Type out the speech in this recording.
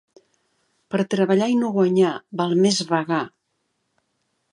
Per treballar i no guanyar, val més vagar.